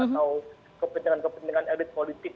atau kepentingan kepentingan elit politik